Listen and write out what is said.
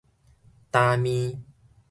焦麵